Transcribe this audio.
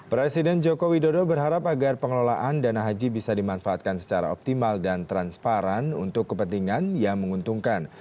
presiden joko widodo berharap agar pengelolaan dana haji bisa dimanfaatkan secara optimal dan transparan untuk kepentingan yang menguntungkan